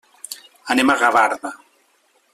Anem a Gavarda.